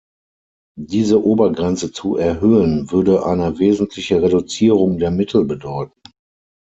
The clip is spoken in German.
Diese Obergrenze zu erhöhen, würde eine wesentliche Reduzierung der Mittel bedeuten.